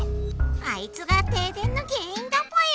あいつが停電の原因だぽよ！